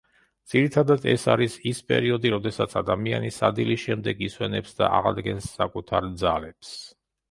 ძირითადად, ეს არის ის პერიოდი, როდესაც ადამიანი სადილის შემდეგ ისვენებს და აღადგენს საკუთარ ძალებს.